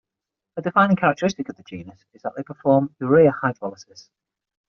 A defining characteristic of the genus is that they perform urea hydrolysis.